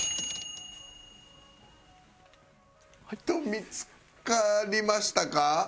見付かりましたか？